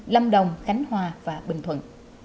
lâm đồng khánh hòa và bình thuận